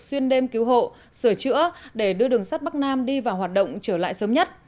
xuyên đêm cứu hộ sửa chữa để đưa đường sắt bắc nam đi vào hoạt động trở lại sớm nhất